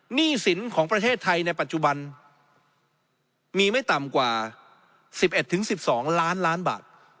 หนี้สินของประเทศไทยในปัจจุบันมีไม่ต่ำกว่า๑๑๑๑๒ล้านล้านบาท